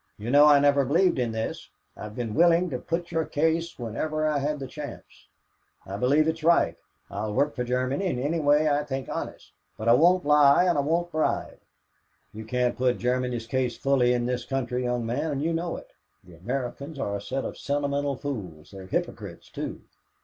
You know I never believed in this. I have been willing to put your case whenever I had the chance. I believe it's right. I'll work for Germany in any way I think honest, but I won't lie and I won't bribe." "You can't put Germany's case fully in this country, young man, and you know it. The Americans are a set of sentimental fools. They're hypocrites, too.